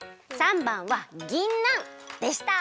③ばんはぎんなんでした。